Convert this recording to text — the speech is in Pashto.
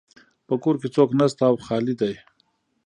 په کور کې څوک نشته او خالی ده